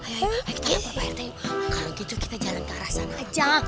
ayo kita lapor pak rt kalau gitu kita jalan ke arah sana